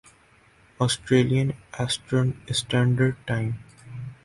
Australian Eastern Standard time